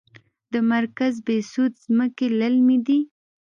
د مرکز بهسود ځمکې للمي دي